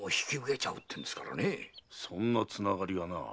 そんなつながりが。